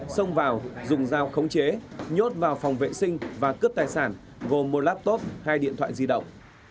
xông vào dùng dao khống chế nhốt vào phòng vệ sinh và cướp tài sản gồm một laptop hai điện thoại di động